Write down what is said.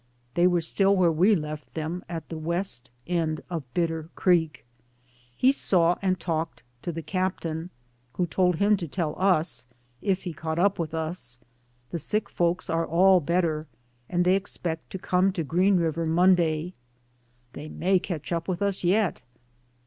They were still where we left them at the west end of Bitter Creek. He saw and talked to the captain, who told 2i8 DAYS ON THE ROAD. him to tell us, if he caught up with us, "The sick folks are all better, and they expect to come to Green River Monday." They may catch up with us yet.